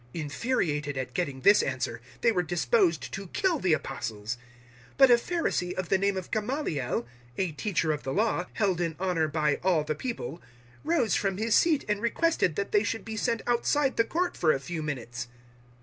005:033 Infuriated at getting this answer, they were disposed to kill the Apostles. 005:034 But a Pharisee of the name of Gamaliel, a teacher of the Law, held in honour by all the people, rose from his seat and requested that they should be sent outside the court for a few minutes.